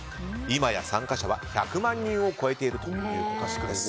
今や参加者は１００万人を超えているということです。